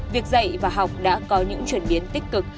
việc dạy và học đã có những chuyển biến tích cực